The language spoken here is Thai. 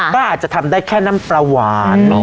ก็อาจจะทำได้แค่น้ำปลาหวาน